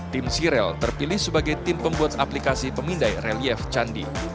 tim sirel terpilih sebagai tim pembuat aplikasi pemindai relief candi